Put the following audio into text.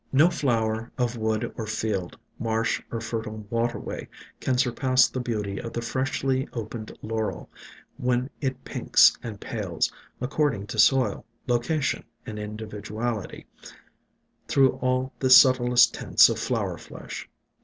No flower of wood or field, marsh or fertile waterway can surpass the beauty of the freshly opened Laurel, when it pinks and pales, according to soil, location and individuality, through all the subtlest tints of flower flesh.